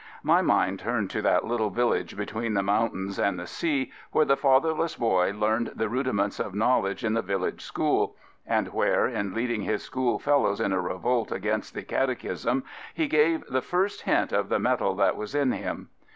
My mind turned to that little village between the mountains and the sea, where the fatherless boy learned the rudiments of knowledge in the village school, and where, liTlead ing his school fellows in a revolt against the Catechism he gave the first hint of the m^le that was in him.